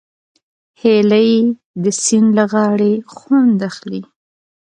هیلۍ د سیند له غاړې خوند اخلي